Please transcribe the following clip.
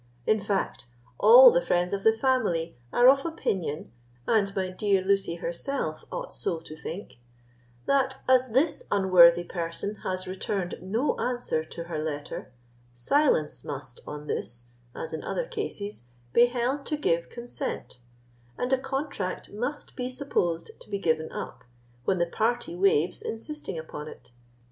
In fact, all the friends of the family are of opinion, and my dear Lucy herself ought so to think, that, as this unworthy person has returned no answer to her letter, silence must on this, as in other cases, be held to give consent, and a contract must be supposed to be given up, when the party waives insisting upon it.